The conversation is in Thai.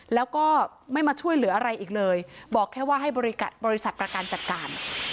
แล้วก็ไม่มาช่วยเหลืออะไรอีกเลยบอกแค่ว่าให้บริษัทประกันจัดการ